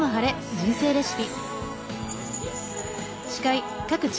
人生レシピ」